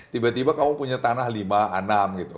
tiba tiba kamu punya tanah lima enam gitu